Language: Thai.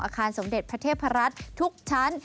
อาคารสมเด็จพระเทพรัฐทุกชั้น